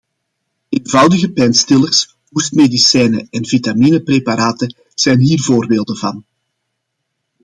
Eenvoudige pijnstillers, hoestmedicijnen en vitaminepreparaten zijn hier voorbeelden van.